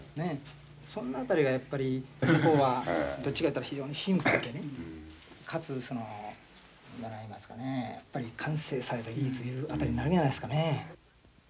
そんな辺りがやっぱり向こうはどっちかっていったら非常にシンプルでねかつそのやっぱり完成された技術いう辺りになるんやないですかね。